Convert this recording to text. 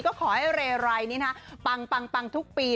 ก็ขอให้เรไรนี่นะปังทุกปี